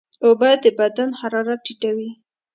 اوبه د بدن حرارت ټیټوي.